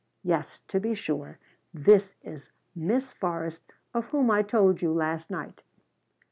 Yes, to be sure, this is Miss Forrest of whom I told you last night."